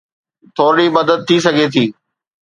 ٿورڙي مدد ٿي سگهي ٿي